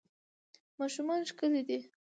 ماشومان ښکلي دي